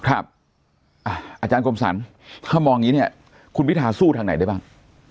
อาจารย์กรมศัลถ้ามองอย่างนี้คุณวิทยาสู้ทางไหนได้บ้าง